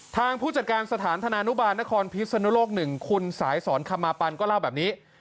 ผู้จัดการสถานธนานุบาลนครพิศนุโลก๑คุณสายสอนคำมาปันก็เล่าแบบนี้